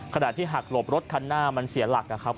ขณะที่หักหลบรถคันหน้ามันเสียหลักนะครับ